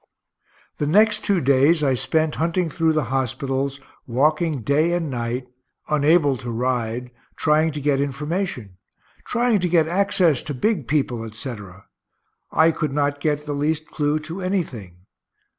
The next two days I spent hunting through the hospitals, walking day and night, unable to ride, trying to get information trying to get access to big people, etc. I could not get the least clue to anything.